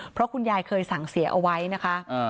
เพราะคุณยายเคยสั่งเสียเอาไว้นะคะ